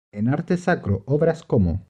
En Arte Sacro, obras como